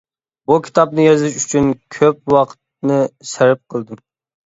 بۇ كىتابنى يېزىش ئۈچۈن كۆپ ۋاقىتنى سەرپ قىلدىم.